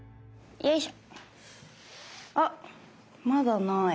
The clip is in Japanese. よいしょ。